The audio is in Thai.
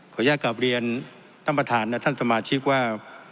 อนุญาตกลับเรียนท่านประธานและท่านสมาชิกว่า